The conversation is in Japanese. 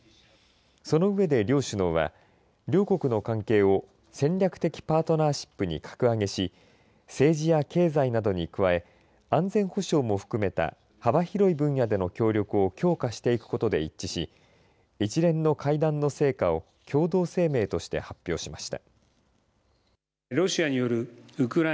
その上で両首脳は両国の関係を戦略的パートナーシップに格上げし政治や経済などに加え安全保障も含めた幅広い分野での協力を強化していくことで一致し一連の会談の成果を共同声明として発表しました。